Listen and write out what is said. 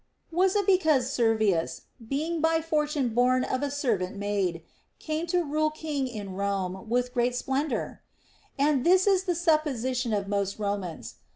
Was it because Servius, being by Fortune born of a servant maid, came to rule king in Rome with great splendor 1 And this is the supposition of most Komans.